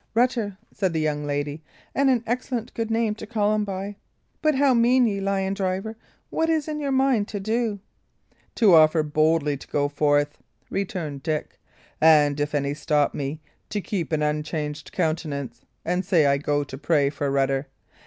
"Rutter," said the young lady; "and an excellent good name to call him by. But how mean ye, lion driver? What is in your mind to do?" "To offer boldly to go forth," returned Dick; "and if any stop me, to keep an unchanged countenance, and say I go to pray for Rutter.